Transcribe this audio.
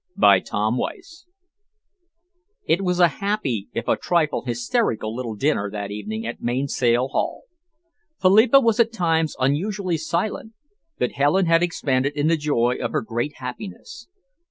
CHAPTER XXX It was a happy, if a trifle hysterical little dinner party that evening at Mainsail Haul. Philippa was at times unusually silent, but Helen had expanded in the joy of her great happiness.